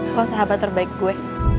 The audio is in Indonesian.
kau sahabat terbaik gue